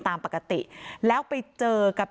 ตามปกติแล้วไปเจอกับ